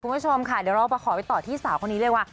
คุณผู้ชมค่ะเดี๋ยวเรามาขอไปต่อที่สาวคนนี้เลยว่า